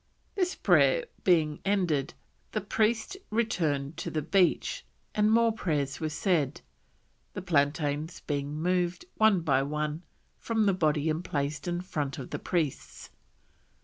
This prayer being ended, the priests returned to the beach, and more prayers were said, the plantains being moved, one by one, from the body and placed in front of the priests.